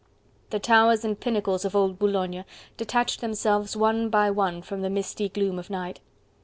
The towers and pinnacles of old Boulogne detached themselves one by one from the misty gloom of night.